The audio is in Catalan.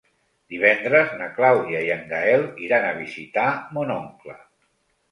Divendres na Clàudia i en Gaël iran a visitar mon oncle.